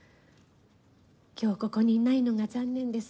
きょうここにいないのが残念です。